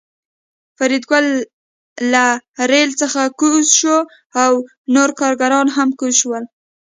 فریدګل له ریل څخه کوز شو او نور کارګران هم کوز شول